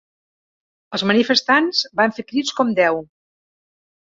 Els manifestants van fer crits com Deu!